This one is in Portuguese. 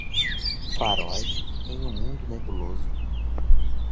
Faróis em um mundo nebuloso.